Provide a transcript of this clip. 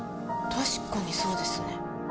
確かにそうですね